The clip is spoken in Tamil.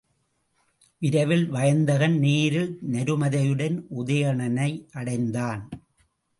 விரைவில் வயந்தகன் தேரில் நருமதையுடன் உதயணனை அடைந்தான்.